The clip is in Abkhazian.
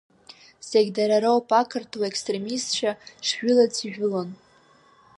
Зегь дара роуп, ақырҭуа екстремистцәа шжәылац ижәылон.